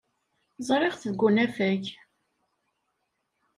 Ẓriɣ-t deg unafag.